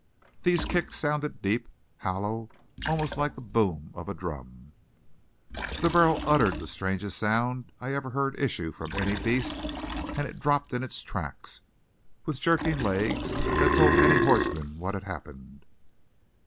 These kicks sounded deep, hollow, almost like the boom of a drum. The burro uttered the strangest sound I ever heard issue from any beast and it dropped in its tracks with jerking legs that told any horseman what had happened.